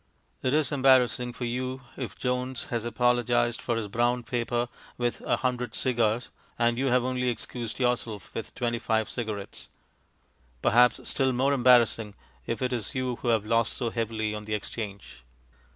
It is embarrassing for you if Jones has apologized for his brown paper with a hundred cigars, and you have only excused yourself with twenty five cigarettes; perhaps still more embarrassing if it is you who have lost so heavily on the exchange.